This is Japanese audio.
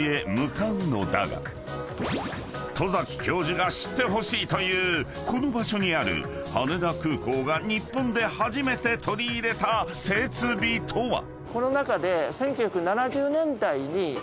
［戸崎教授が知ってほしいというこの場所にある羽田空港が日本で初めて取り入れた設備とは？］